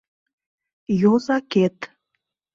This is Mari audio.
Йозакет